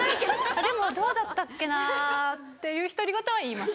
でも「どうだったっけな」っていう独り言は言います。